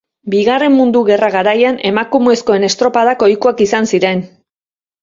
Bigarren Mundu Gerra garaian emakumezkoen estropadak ohikoak izan ziren.